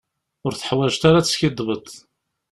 Ur teḥwaǧeḍ ara ad teskiddbeḍ.